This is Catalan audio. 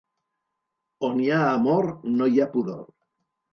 On hi ha amor no hi ha pudor.